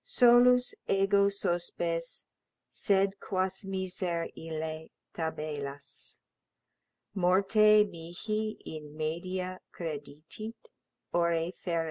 Solus ego sospes, sed quas miser ille tabellas Morte mihi in media credidit, ore ferens.